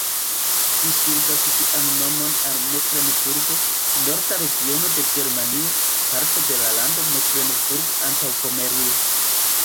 Ĝi ŝuldas sian nomon al Meklenburgo, norda regiono de Germanio, parto la lando Meklenburgo-Antaŭpomerio.